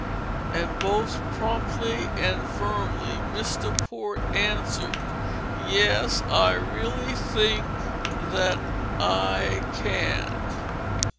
And both promptly and firmly Mr. Port answered: "Yes, I really think that I can."